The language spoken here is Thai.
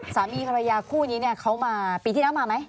สามีภรรยาคู่นี้เนี่ยเขามาปีที่แล้วมาไหม